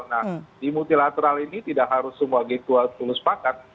nah di multilateral ini tidak harus semua g dua puluh sepakat